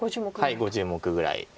はい５０目ぐらい。